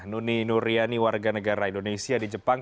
nuni nuriani warga negara indonesia di jepang